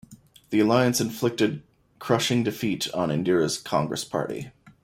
The alliance inflicted crushing defeat for Indira's Congress Party.